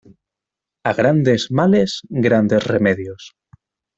A grandes males, grandes remedios.